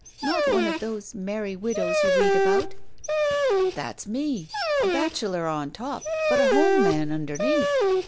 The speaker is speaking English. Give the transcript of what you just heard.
Not one of those merry widows you read about." "That's me! A bachelor on top, but a home man imdemeath.